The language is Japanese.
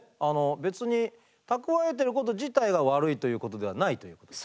別に蓄えてること自体が悪いということではないということですね。